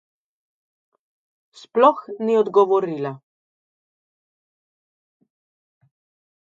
Sploh ni odgovorila.